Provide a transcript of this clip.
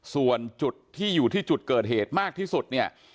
ส่วนจุดที่อยู่ที่จุดเกิดเหตุมากที่สุดเนี่ย